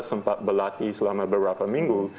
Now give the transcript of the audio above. sempat berlatih selama beberapa minggu